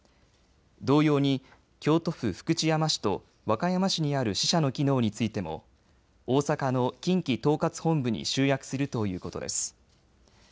同様に、京都府福知山市と和歌山市にある支社の機能についても大阪の近畿統括本部に集約するということです。